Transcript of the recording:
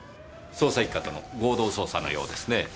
捜査一課との合同捜査のようですねぇ。